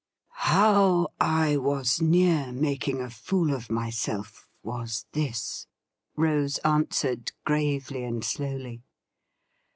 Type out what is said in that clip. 230 THE RIDDLE RING ' How I was near making a fool of myself was this,' Rose answered gravely and slowly.